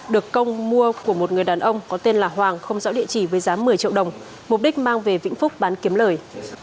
được công mua của một người đàn ông có tên là hoàng không rõ địa chỉ với giá một mươi triệu đồng mục đích mang về vĩnh phúc bán kiếm lời